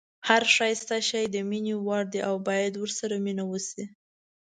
هر ښایسته شی د مینې وړ دی او باید ورسره مینه وشي.